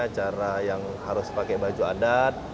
cara yang harus pakai baju adat